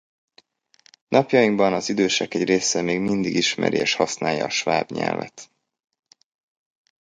Napjainkban az idősek egy része még mindig ismeri és használja a sváb nyelvet.